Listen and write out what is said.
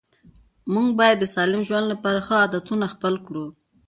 موږ باید د سالم ژوند لپاره ښه عادتونه خپل کړو